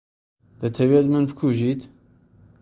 دەتەوێت من بکوژیت؟